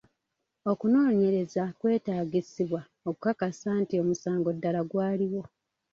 Okunoonyereza kwetaagisibwa okukakasa nti omusango ddala gwaliwo.